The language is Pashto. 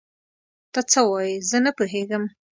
ته څه وايې؟ زه نه پوهيږم.